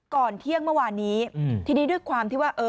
ก่อนเที่ยงเมื่อวานนี้ทีนี้ด้วยความที่ว่าเออ